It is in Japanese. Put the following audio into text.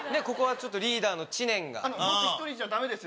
ここはちょっとリーダーの知念が。